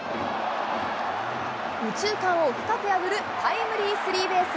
右中間を深く破るタイムリースリーベース。